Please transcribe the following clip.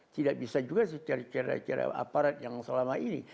tidak bisa juga secara aparat yang selama ini